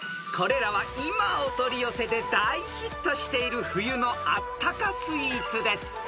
［これらは今お取り寄せで大ヒットしている冬のあったかスイーツです］